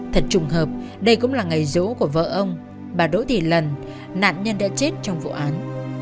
thật trùng hợp đây cũng là ngày rỗ của vợ ông bà đỗ thị lần nạn nhân đã chết trong vụ án